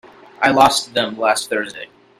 I lost them last Thursday.